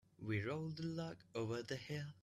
We rolled the log over the hill.